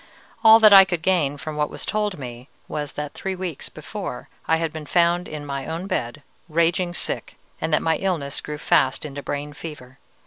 All that I could gain from what was told me was that three weeks before I had been found in my own bed, raging sick, and that my illness grew fast into brain fever.